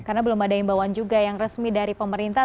karena belum ada yang bawa juga yang resmi dari pemerintah